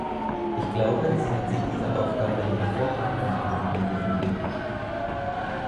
Ich glaube, sie hat sich dieser Aufgabe in hervorragender Art und Weise entledigt.